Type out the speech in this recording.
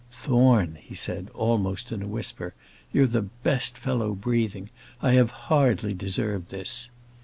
"Thorne," he said, almost in a whisper, "you're the best fellow breathing; I have hardly deserved this."